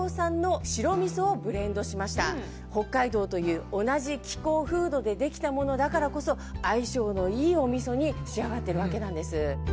北海道という同じ気候風土でできたものだからこそ相性のいいおみそに仕上がっているわけなんです。